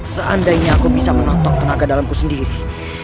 seandainya aku bisa menonton tenaga dalamku sendiri